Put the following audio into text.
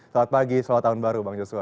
selamat pagi selamat tahun baru bang joshua